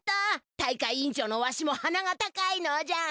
大会委員長のわしも鼻が高いのじゃ。